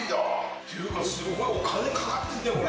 っていうか、すごいお金かかってるよね、これ。